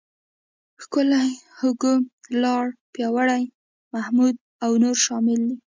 ښکلی، هوګو، لاړ، پیاوړی، محمود او نور شامل دي.